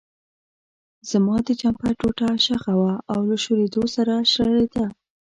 زما د جمپر ټوټه شخه وه او له شورېدو سره شریده.